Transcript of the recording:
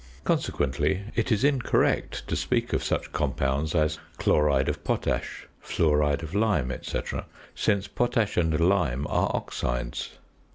Consequently, it is incorrect to speak of such compounds as chloride of potash, fluoride of lime, &c., since potash and lime are oxides.